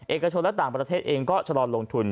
เอกชนและต่างประเทศเองก็ชะลอลงทุน